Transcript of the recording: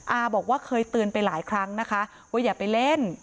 อาบอกว่าเคยเตือนไปหลายครั้งนะคะว่าอย่าไปเล่น